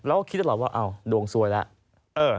เราก็คิดตลอดว่าอ้าวดวงซวยแล้ว